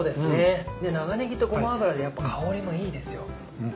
で長ねぎとごま油でやっぱ香りもいいですよ。